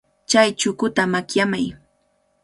Chay chukuta makyamay.